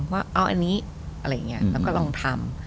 ว่าอันนี้เรากำลังทำ